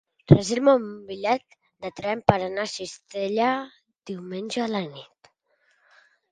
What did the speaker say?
Reserva'm un bitllet de tren per anar a Cistella diumenge a la nit.